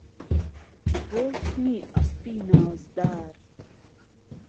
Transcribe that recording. بۆ سمی ئهسپی نازدار